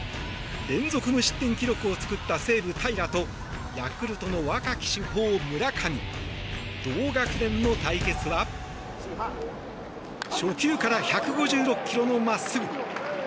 連続無失点記録を作った西武、平良とヤクルトの若き主砲、村上同学年の対決は初球から１５６キロのまっすぐ。